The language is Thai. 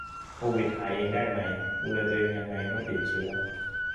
โควิดหายเองได้ไหม ดูแลตัวเองยังไงเมื่อติดเชื้อ